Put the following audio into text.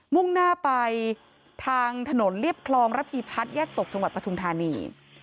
มุ่งหน้าไปทางถนนเรียบคลองระพีพัฒน์แยกตกจังหวัดปทุมธานี